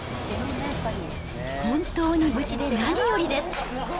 本当に無事で何よりです。